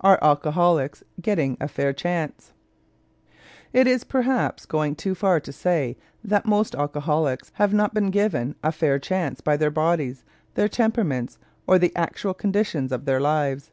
ARE ALCOHOLICS GETTING A FAIR CHANCE? It is perhaps not going too far to say that most alcoholics have not been given a fair chance by their bodies, their temperaments, or the actual conditions of their lives.